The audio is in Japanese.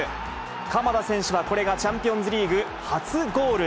鎌田選手はこれがチャンピオンズリーグ初ゴール。